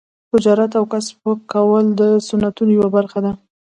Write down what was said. تجارت او کسب کول د سنتو یوه برخه ده.